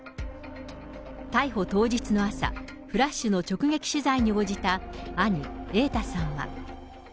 逮捕当日の朝、フラッシュの直撃取材に応じた兄、瑛太さんは。